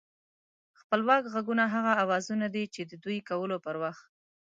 خپلواک غږونه هغه اوازونه دي چې د دوی کولو پر وخت